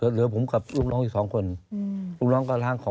เหลือผมกับลูกน้องอีก๒คน